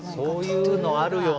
そういうのあるよな。